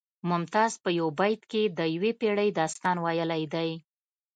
ممتاز په یو بیت کې د یوې پیړۍ داستان ویلی دی